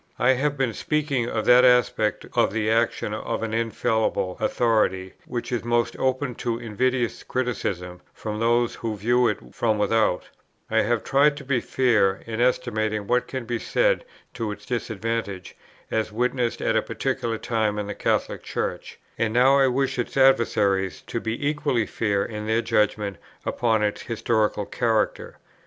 I have been speaking of that aspect of the action of an infallible authority, which is most open to invidious criticism from those who view it from without; I have tried to be fair, in estimating what can be said to its disadvantage, as witnessed at a particular time in the Catholic Church, and now I wish its adversaries to be equally fair in their judgment upon its historical character.